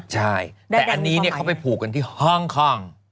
ใช่แต่อันนี้เขาไปผูกกันที่ห้องคล่อง